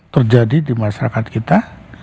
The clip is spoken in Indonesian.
terjadi di masyarakat kita